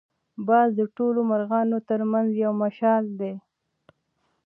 باز د ټولو مرغانو تر منځ یو مشال دی